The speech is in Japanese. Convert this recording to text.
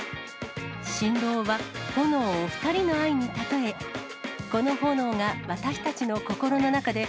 新郎は炎を２人の愛にたとえ、この炎が私たちの心の中で、